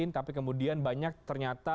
tapi kemudian banyak ternyata